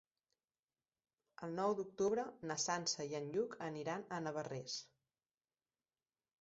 El nou d'octubre na Sança i en Lluc aniran a Navarrés.